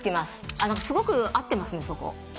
すごく合ってますね、そこ。